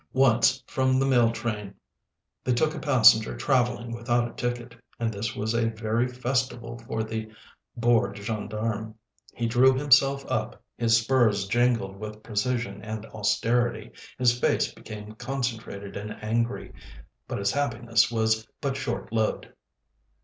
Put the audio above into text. Once from the mail train they took a passenger travelling without a ticket, and this was a very festival for the bored gendarme. He drew himself up, his spurs jingled with precision and austerity, his face became concentrated and angry; but his happiness was but short lived.